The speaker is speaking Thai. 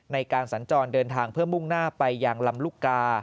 ในการสัญจรเดินทางเพื่อมุ่งหน้าไปยังลำลูกกา